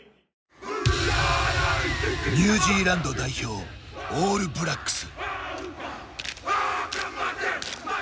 ニュージーランド代表オールブラックス。